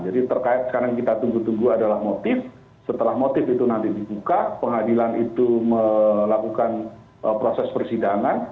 terkait sekarang yang kita tunggu tunggu adalah motif setelah motif itu nanti dibuka pengadilan itu melakukan proses persidangan